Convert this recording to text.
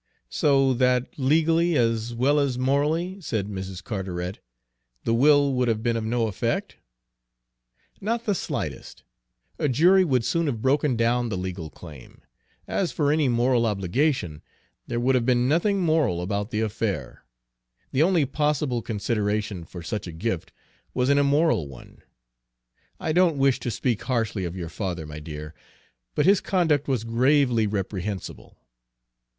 "So that legally, as well as morally," said Mrs. Carteret, "the will would have been of no effect?" "Not the slightest. A jury would soon have broken down the legal claim. As for any moral obligation, there would have been nothing moral about the affair. The only possible consideration for such a gift was an immoral one. I don't wish to speak harshly of your father, my dear, but his conduct was gravely reprehensible.